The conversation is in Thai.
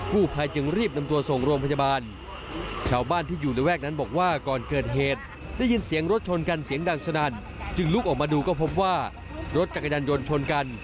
ผู้ภายจึงรีบนำตัวส่งรวมพจบาล